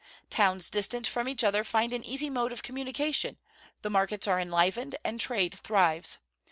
Towns distant from each other find an easy mode of communication; the markets are enlivened, and trade thrives.